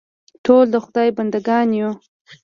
ټول د خدای بنده ګان یو.